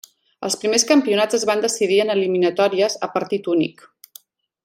Els primers campionats es van decidir en eliminatòries a partit únic.